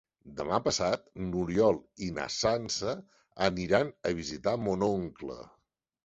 Demà passat n'Oriol i na Sança aniran a visitar mon oncle.